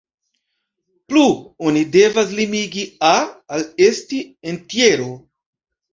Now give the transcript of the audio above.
Plu, oni devas limigi "a" al esti entjero.